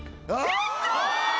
やった！